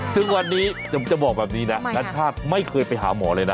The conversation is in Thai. ซึ่งวันนี้จะบอกแบบนี้นะนัชชาติไม่เคยไปหาหมอเลยนะ